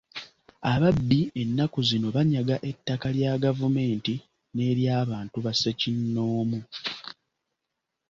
Ababbi ennaku zino banyaga ettaka lya gavumenti n'ery'abantu ba ssekinnoomu.